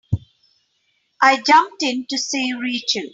I jumped in to save Rachel.